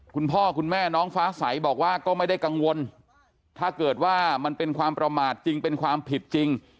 คุณพ่อคุณแม่น้องฟ้าใสบอกว่าก็ไม่ได้กังวลถ้าเกิดว่ามันเป็นความประมาทจริงเป็นความผิดจริง